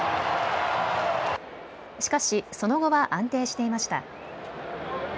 しかしその後は安定していました。